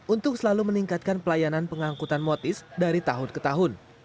untuk selalu meningkatkan pelayanan pengangkutan motis dari tahun ke tahun